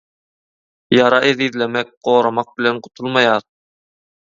Ýara ezizlemek, goramak bilen gutulmaýar